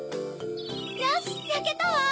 よしやけたわ！